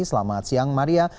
selamat siang maria